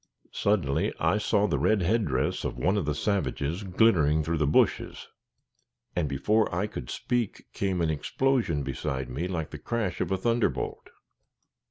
Suddenly, I saw the red head dress of one of the savages glittering through the bushes, and, before I could speak, came an explosion beside me like the crash of a thunderbolt.